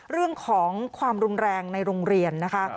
เรื่องของความรุนแรงในโรงเรียนนะคะ